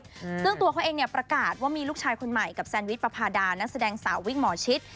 ซึ่งตัวเขาเองเนี่ยประกาศว่ามีลูกชายคนใหม่กับแซนวิชประพาดานักแสดงสาววิ่งหมอชิด